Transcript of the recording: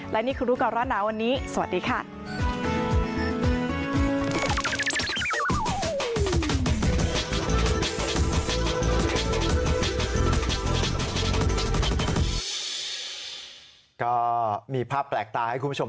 และนี่คือลูกการรอดน้ำวันนี้สวัสดีค่ะ